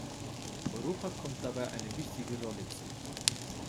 Europa kommt dabei eine wichtige Rolle zu.